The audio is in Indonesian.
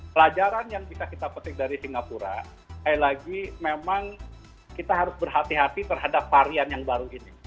pelajaran yang bisa kita petik dari singapura sekali lagi memang kita harus berhati hati terhadap varian yang baru ini